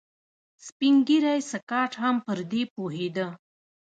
سپين ږيری سکاټ هم پر دې پوهېده.